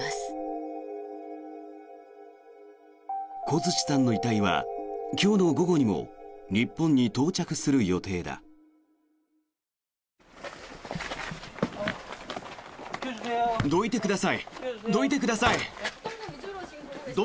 小槌さんの遺体は今日の午後にも日本に到着する予定だ。